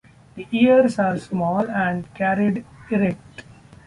The ears are small and carried erect.